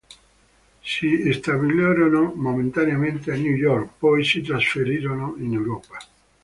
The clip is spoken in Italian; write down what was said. Si stabilirono momentaneamente a New York, poi si trasferirono in Europa.